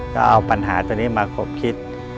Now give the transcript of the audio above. ก็เอาปัญหาตัวนี้มาคบคิด